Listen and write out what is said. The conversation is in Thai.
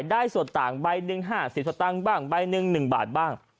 ได้ส่วนต่างใบหนึ่งห้าสิบสตางค์บ้างใบหนึ่งหนึ่งบาทบ้าง